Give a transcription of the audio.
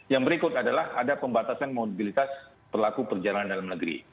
yang berikut adalah ada pembatasan mobilitas pelaku perjalanan dalam negeri